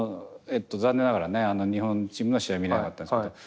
残念ながらね日本チームの試合は見られなかったんですけど。